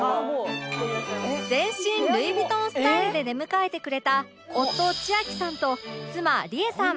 全身ルイ・ヴィトンスタイルで出迎えてくれた夫智秋さんと妻りえさん